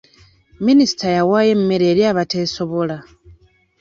Minisita yawaayo emmere eri abateesobola.